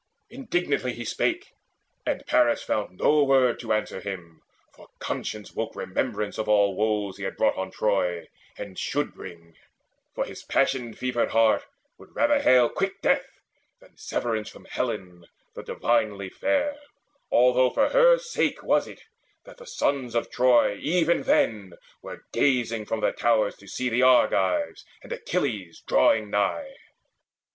Indignantly he spake, and Paris found No word to answer him, for conscience woke Remembrance of all woes he had brought on Troy, And should bring; for his passion fevered heart Would rather hail quick death than severance From Helen the divinely fair, although For her sake was it that the sons of Troy Even then were gazing from their towers to see The Argives and Achilles drawing nigh.